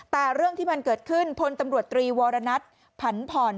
แต่เรื่องที่มันเกิดขึ้นพลตำรวจตรีวรณัทผันผ่อน